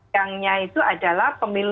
yangnya itu adalah pemilu